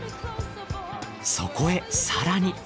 そこへ更に。